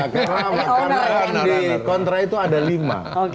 karena di kontra itu ada lima